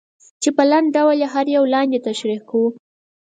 چې په لنډ ډول یې هر یو لاندې تشریح کوو.